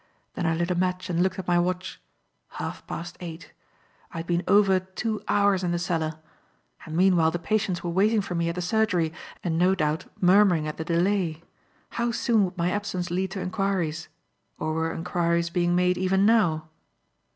Then I lit a match and looked at my watch. Half past eight. I had been over two hours in the cellar. And meanwhile the patients were waiting for me at the surgery, and, no doubt, murmuring at the delay. How soon would my absence lead to enquiries? Or were enquiries being made even now?